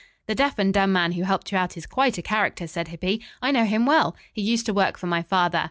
"The deaf and dumb man who helped you out is quite a character," said Hippy. "I know him well. He used to work for my father.